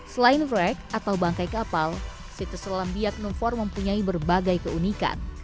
selain wreck atau bangkai kapal situs selam biak numfor mempunyai berbagai keunikan